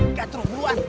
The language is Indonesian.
keluar dong bilal